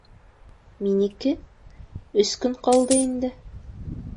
Минеке? Өс көн ҡалды инде